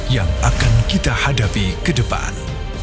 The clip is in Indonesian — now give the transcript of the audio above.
yang akan kita hadafi kedepan